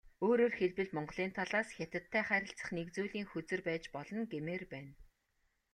Өөрөөр хэлбэл, Монголын талаас Хятадтай харилцах нэг зүйлийн хөзөр байж болно гэмээр байна.